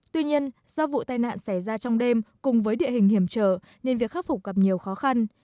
tuy nhiên do vụ tai nạn xảy ra trong đêm cùng với địa hình hiểm trở nên việc khắc phục gặp nhiều khó khăn